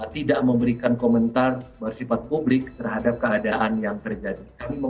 tidak memberikan komentar bersifat publik terhadap keadaan yang terjadi